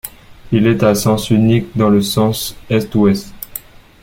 Il est à sens unique, dans le sens est-ouest.